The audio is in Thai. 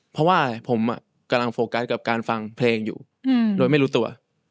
เพราะว่าผมกำลังโฟกัสกับการฟังเพลงอยู่โดยไม่รู้ตัว